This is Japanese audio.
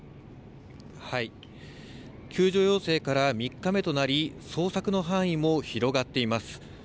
救助要請から３日目となり、捜索の範囲も広がっています。